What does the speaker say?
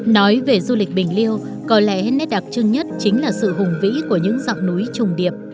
nói về du lịch bình liêu có lẽ nét đặc trưng nhất chính là sự hùng vĩ của những dạng núi trùng điệp